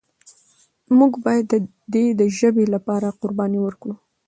موږ باید د دې ژبې لپاره قرباني ورکړو.